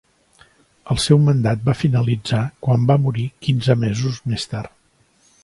El seu mandat va finalitzar quan va morir quinze mesos més tard.